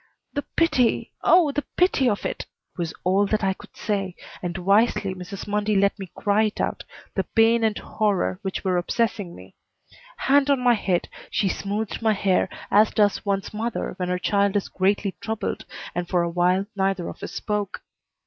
"The pity oh, the pity of it!" was all that I could say, and wisely Mrs. Mundy let me cry it out the pain and horror which were obsessing me. Hand on my head, she smoothed my hair as does one's mother when her child is greatly troubled, and for a while neither of us spoke.